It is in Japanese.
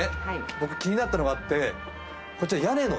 僕気になったのがあって。